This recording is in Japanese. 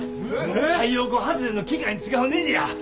太陽光発電の機械に使うねじや。